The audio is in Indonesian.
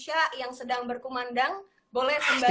bisa yang sedang berkumandang boleh sembari berkata